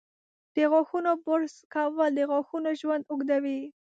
د غاښونو برش کول د غاښونو ژوند اوږدوي.